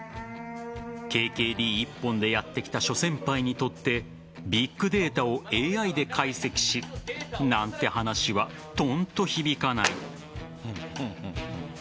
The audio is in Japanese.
ＫＫＤ一本でやってきた諸先輩にとってビッグデータをＡＩで解析しなんて話は、とんと響かない。